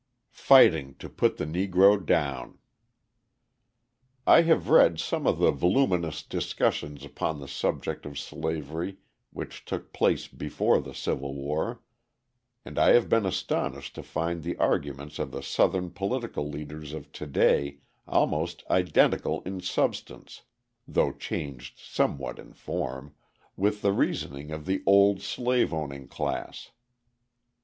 Fighting to Put the Negro Down I have recently read some of the voluminous discussions upon the subject of slavery which took place before the Civil War, and I have been astonished to find the arguments of the Southern political leaders of to day almost identical in substance (though changed somewhat in form) with the reasoning of the old slave owning class.